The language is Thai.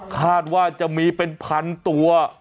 คาดว่าจะมีเป็นพันตัว